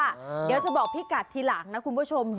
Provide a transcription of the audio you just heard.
เดี๋ยวจะบอกพี่กัดทีหลังนะคุณผู้ชม